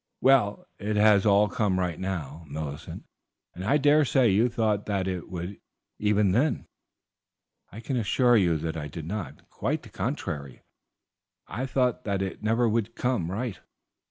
"Well, it has all come right now, Millicent, and I dare say you thought that it would, even then." "I can assure you that I did not; quite the contrary, I thought that it never would come right.